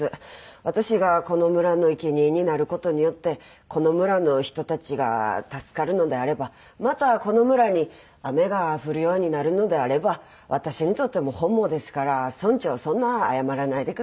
私がこの村の生贄になる事によってこの村の人たちが助かるのであればまたこの村に雨が降るようになるのであれば私にとっても本望ですから村長はそんな謝らないでください。